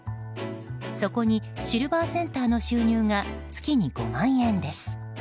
そこにシルバーセンターの収入が月に５万円です。